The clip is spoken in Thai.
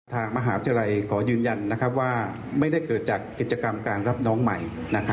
ทางมหาวิทยาลัยขอยืนยันว่าไม่ได้เกิดจากกิจกรรมการรับน้องใหม่